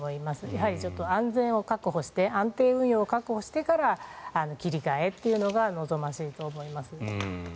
やはり安全を確保して安定運用を確保してから切り替えというのが望ましいと思います。